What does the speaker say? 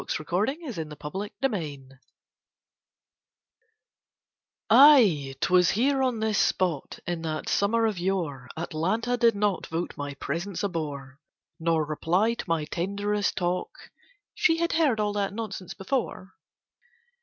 ] ATALANTA IN CAMDEN TOWN Ay, 'twas here, on this spot, In that summer of yore, Atalanta did not Vote my presence a bore, Nor reply to my tenderest talk "She had heard all that nonsense before."